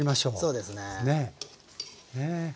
そうですね。